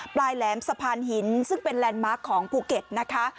ปลายแหลมสะพานหินซึ่งเป็นแลนด์มาร์คของภูเก็ตนะคะ